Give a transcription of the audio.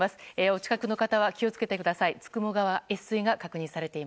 お近くの方は気をつけてください。